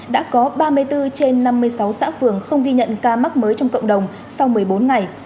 đã có ba mươi bốn trên năm mươi sáu xã phường không ghi nhận ca mắc mới trong cộng đồng sau một mươi bốn ngày